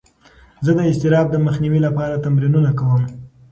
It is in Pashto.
زه د اضطراب د مخنیوي لپاره تمرینونه کوم.